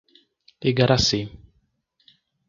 Igaracy